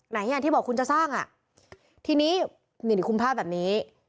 ไหนอ่ะที่บอกคุณจะสร้างอ่ะทีนี้นี่คุมภาพแบบนี้